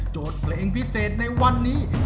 เพลงพิเศษในวันนี้